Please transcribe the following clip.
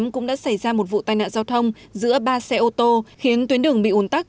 cũng đã xảy ra một vụ tai nạn giao thông giữa ba xe ô tô khiến tuyến đường bị ủn tắc